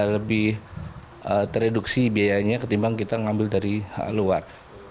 lebih tereduksi biayanya ketimbang kita ngambil dari luar